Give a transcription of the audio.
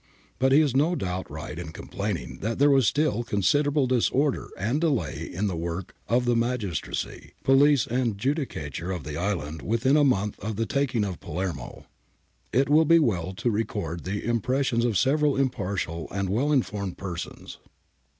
But he is no doubt right in complaining that there was still considerable disorder and delay in the work of the magistracy, police, and judicature of the island within a month of the taking of Palermo [La Farina, ii. 350). It will be well to record the impressions of several impartial and well informed persons.